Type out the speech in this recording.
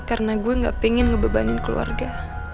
karena gue gak pengen ngebebanin keluarga